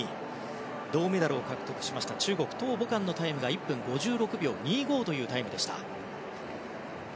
銅メダルを獲得した中国、トウ・ボカンのタイムが１分５６秒２５というタイムでした。